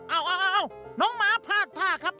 เอาน้องม้าพลาดท่าครับ